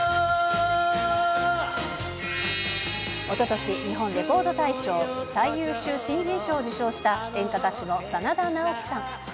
おととし、日本レコード大賞、最優秀新人賞を受賞した演歌歌手の真田ナオキさん。